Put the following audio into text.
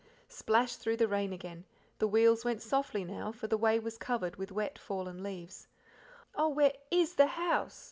Splash through the rain again; the wheels went softly now, for the way was covered with wet fallen leaves. "Oh, where IS the house?"